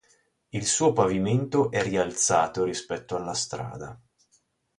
Il suo pavimento è rialzato rispetto alla strada.